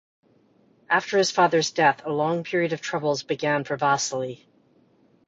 After his father's death, a long period of troubles began for Vasily.